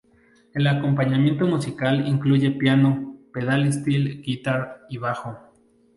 El acompañamiento musical incluye piano, pedal steel guitar y bajo.